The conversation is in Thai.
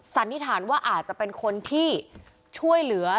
สันนิษฐานว่าอาจจะเป็นคนที่ช่วยเหลือ